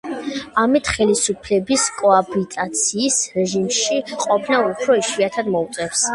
ამით, ხელისუფლების კოაბიტაციის რეჟიმში ყოფნა უფრო იშვიათად მოუწევს.